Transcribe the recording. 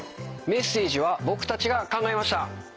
メッセージは僕たちが考えました。